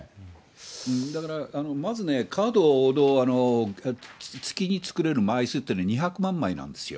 だから、まずね、カードを月に作れる枚数というのは２００万枚なんですね。